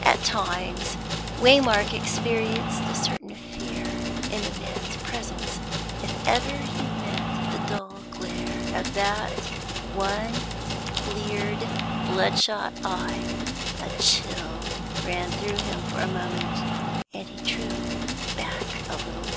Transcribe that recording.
At times Waymark experienced a certain fear in the man's presence; if ever he met the dull glare of that one bleared blood shot eye, a chill ran through him for a moment, and he drew back a little.